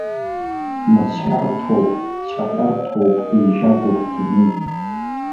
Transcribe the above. Мыцҳәарҭоуп, ҵаҳәарҭоуп, еижьагоуп ҳдунеи.